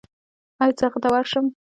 ایا زه هغه ته ورشم؟